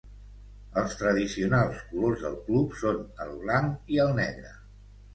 Els tradicionals colors del club són el blanc i el negre.